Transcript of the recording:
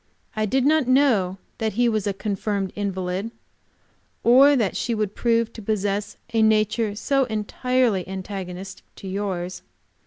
I did not know that he was a confirmed invalid, or that she would prove to possess a nature so entirely antagonistic to yours.